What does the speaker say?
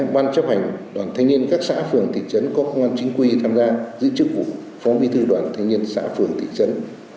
ban chấp hành đoàn thanh niên các xã phường thị trấn có công an chính quy tham gia giữ chức vụ phóng bi thư đoàn thanh niên xã phường thị trấn